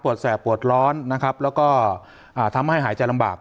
แสบปวดร้อนนะครับแล้วก็ทำให้หายใจลำบาก